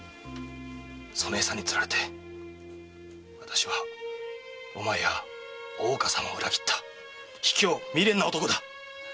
その餌に釣られて私はお前や大岡様を裏切った卑怯未練な男だ！